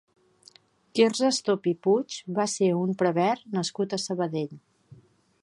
Quirze Estop i Puig va ser un prevere nascut a Sabadell.